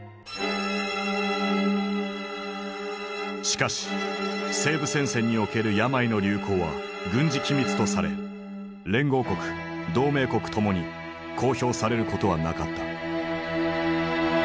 しかし西部戦線における病の流行は軍事機密とされ連合国同盟国ともに公表されることはなかった。